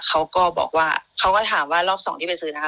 เขาก็ถามว่ารอบ๒ที่ไปซื้อนะค่ะ